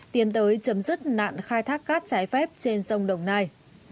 tiến tới chấm dứt nạn khai thác cát trái phép trên sông đồng nai